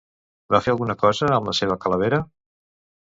Van fer alguna cosa amb la seva calavera?